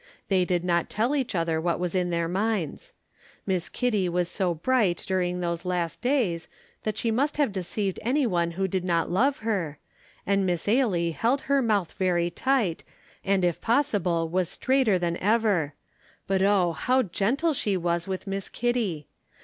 They did not tell each other what was in their minds. Miss Kitty was so bright during those last days, that she must have deceived anyone who did not love her, and Miss Ailie held her mouth very tight, and if possible was straighter than ever, but oh, how gentle she was with Miss Kitty!